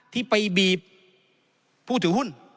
ที่ไปบีบผู้ถือหุ้น